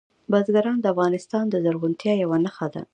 بزګان د افغانستان د زرغونتیا یوه نښه ده.